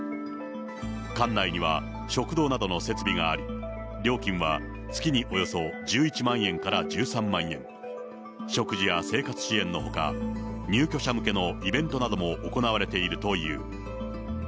館内には食堂などの設備があり、料金は月におよそ１１万円から１３万円。食事や生活支援のほか、入居者向けのイベントなども行われているという。